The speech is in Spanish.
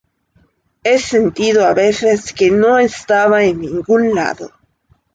He sentido a veces que no estaba en ningún lado.